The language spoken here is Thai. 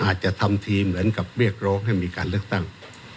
อาจจะทำทีเหมือนกับเรียกร้องให้มีการเลือกตั้ง